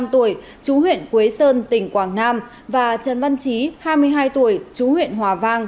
một mươi năm tuổi chú huyện quế sơn tỉnh quảng nam và trần văn trí hai mươi hai tuổi chú huyện hòa vang